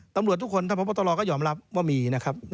ตำรวจทุกคนถ้าพบตรก็ยอมรับว่ามีนะครับ